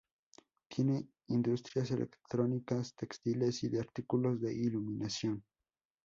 Tiene industrias electrónicas, textiles y de artículos de iluminación.